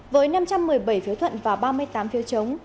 với năm trăm một mươi bảy phiếu thuận và ba mươi tám phiếu chống